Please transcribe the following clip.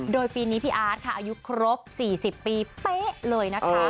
โดยปีนี้พี่อาร์ตค่ะอายุครบ๔๐ปีเป๊ะเลยนะคะ